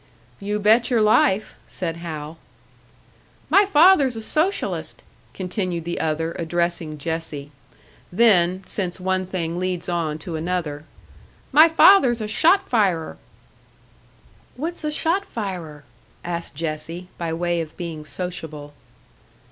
"You bet your life," said Hal. "My father's a Socialist," continued the other, addressing Jessie; then, since one thing leads on to another, "My father's a shot firer." "What's a shot firer?" asked Jessie, by way of being sociable.